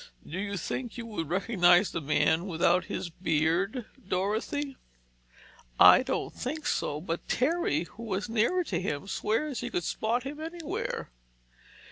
Do you think you would recognize the man without his beard, Dorothy?" "I don't think so—but Terry, who was nearer to him, swears he could spot him anywhere."